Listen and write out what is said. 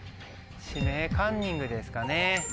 「指名カンニング」ですかね。